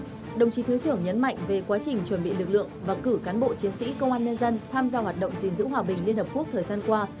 trong thời quá trình chuẩn bị lực lượng và cử cán bộ chiến sĩ công an nhân dân tham gia hoạt động diễn dữ hòa bình liên hợp quốc thời gian qua